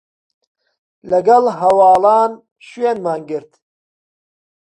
لەگەڵ هەواڵان شوێنمان گرت